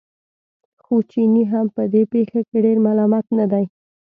خو چینی هم په دې پېښه کې ډېر ملامت نه دی.